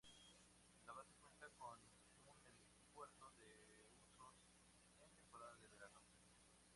La base cuenta con un helipuerto de usos en temporada de verano.